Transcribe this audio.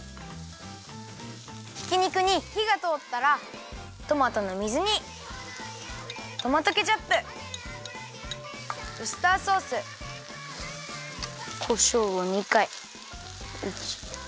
ひき肉にひがとおったらトマトの水煮トマトケチャップウスターソースこしょうを２かい。